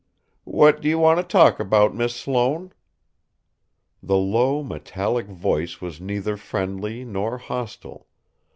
"What do you want to talk about, Miss Sloane?" The low, metallic voice was neither friendly nor hostile.